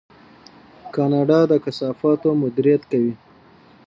کاناډا د کثافاتو مدیریت کوي.